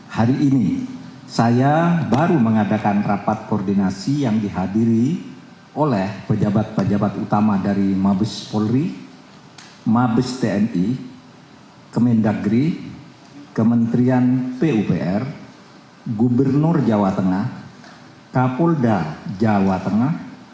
hari ini saya baru mengadakan rapat koordinasi yang dihadiri oleh pejabat pejabat utama dari mabes polri mabes tni kemendagri kementerian pupr gubernur jawa tengah kapolda jawa tengah